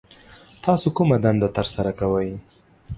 تاسو کومه دنده ترسره کوي